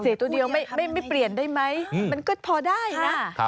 ตัวเดียวไม่เปลี่ยนได้ไหมมันก็พอได้นะ